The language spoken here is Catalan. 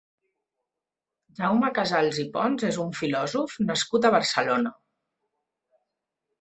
Jaume Casals i Pons és un filòsof nascut a Barcelona.